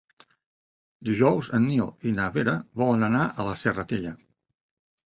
Dijous en Nil i na Vera volen anar a la Serratella.